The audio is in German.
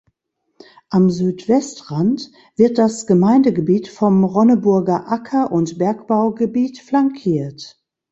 Am Südwestrand wird das Gemeindegebiet vom Ronneburger Acker- und Bergbaugebiet flankiert.